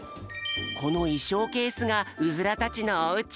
このいしょうケースがウズラたちのおうち。